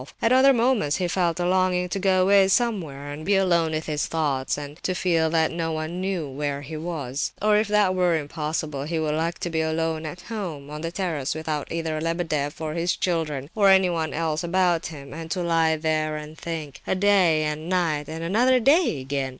At other moments he felt a longing to go away somewhere and be alone with his thoughts, and to feel that no one knew where he was. Or if that were impossible he would like to be alone at home, on the terrace—without either Lebedeff or his children, or anyone else about him, and to lie there and think—a day and night and another day again!